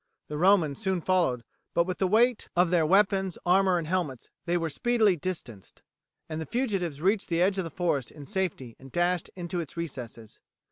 The Romans soon followed, but with the weight of their weapons, armour, and helmets they were speedily distanced, and the fugitives reached the edge of the forest in safety and dashed into its recesses.